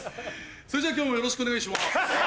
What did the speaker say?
それじゃあ今日もよろしくお願いします。